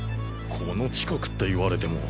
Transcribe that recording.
この近くって言われても。